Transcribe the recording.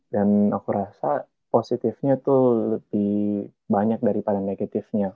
dan aku rasa positifnya itu lebih banyak daripada negatifnya